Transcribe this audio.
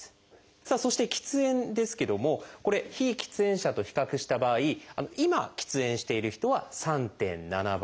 さあそして喫煙ですけどもこれ非喫煙者と比較した場合今喫煙している人は３．７倍。